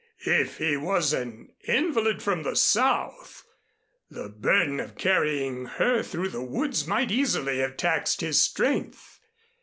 If he was an invalid from the South, the burden of carrying her through the woods might easily have taxed his strength.